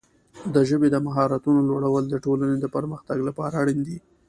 د ژبې د مهارتونو لوړول د ټولنې د پرمختګ لپاره اړین دي.